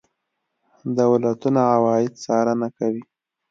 دولتونه عواید څارنه کوي.